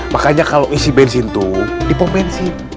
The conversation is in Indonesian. makanya kalau isi bensin tuh dipom bensin